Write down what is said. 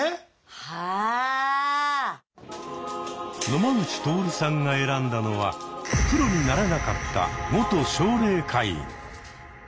野間口徹さんが選んだのは「プロになれなかった元奨励会員」。